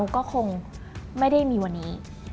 ก็คงไม่ได้มีวันนี้